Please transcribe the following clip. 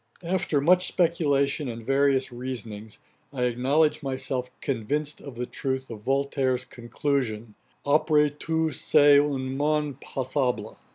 After much speculation and various reasonings, I acknowledge myself convinced of the truth of Voltaire's conclusion, 'Après tout c èst un monde passable.'